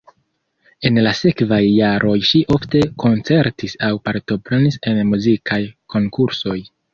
En la sekvaj jaroj ŝi ofte koncertis aŭ partoprenis en muzikaj konkursoj.